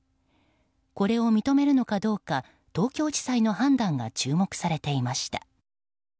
これを認めるのかどうか東京地裁の判断が注目されていました。